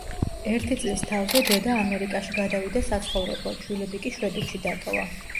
ერთი წლის თავზე დედა ამერიკაში გადავიდა საცხოვრებლად, შვილები კი შვედეთში დატოვა.